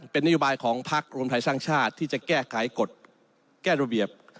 เป็นนโยบายของพักรวมไทยสร้างชาติที่จะแก้ไขกฎแก้ระเบียบ